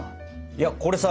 いやこれさ